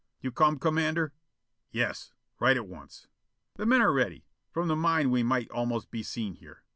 "You come, Commander?" "Yes. Right at once." "The men are ready. From the mine we might almost be seen here.